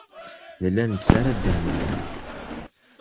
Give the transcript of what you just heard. Nella nettarra ddehn-nneɣ.